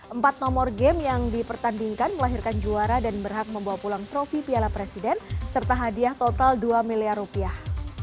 empat nomor game yang dipertandingkan melahirkan juara dan berhak membawa pulang trofi piala presiden serta hadiah total dua miliar rupiah